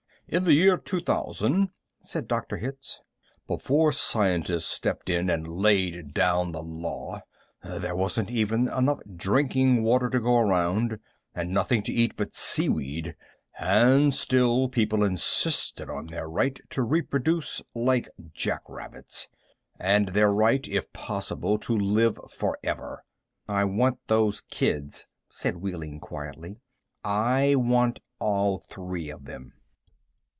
"In the year 2000," said Dr. Hitz, "before scientists stepped in and laid down the law, there wasn't even enough drinking water to go around, and nothing to eat but sea weed and still people insisted on their right to reproduce like jackrabbits. And their right, if possible, to live forever." "I want those kids," said Wehling quietly. "I want all three of them."